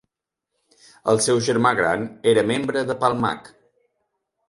El seu germà gran era membre de "Palmach".